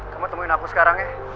kamu temuin aku sekarang ya